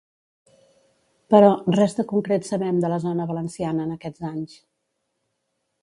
Però, res de concret sabem de la zona valenciana en aquests anys.